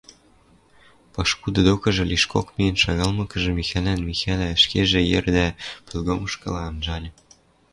Пашкуды докыжы лишкок миэн шагалмыкыжы, Михӓлӓн Михӓлӓ ӹшкежӹ йӹр дӓ пӹлгомышкыла анжальы.